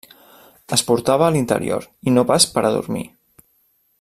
Es portava a l'interior i no pas per a dormir.